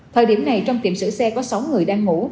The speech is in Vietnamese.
thời điểm này trong tiệm sửa xe có sáu người đang ngủ